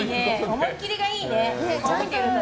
思い切りがいいね。